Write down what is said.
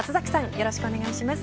よろしくお願いします。